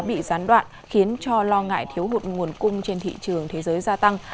bị gián đoạn khiến cho lo ngại thiếu hụt nguồn cung trên thị trường thế giới gia tăng